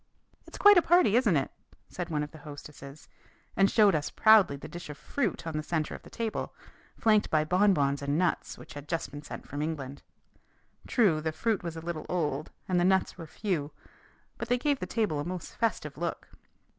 "It's quite a party, isn't it?" said one of the hostesses, and showed us proudly the dish of fruit on the centre of the table, flanked by bonbons and nuts which had just been sent from England. True, the fruit was a little old and the nuts were few; but they gave the table a most festive look.